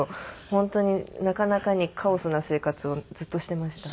本当になかなかにカオスな生活をずっとしてました。